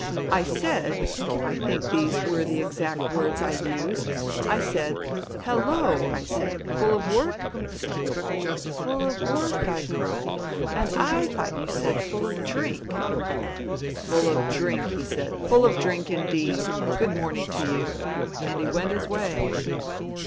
I said — I think these were the exact words I used — I said :" Hello !" I said. " Full of work ?"'' Full of work ?' I cried, ' and I thought you said " Full of drink." '' Full of drink,' he said, ' full of drink indeed. Good morning to you !' And he went his way."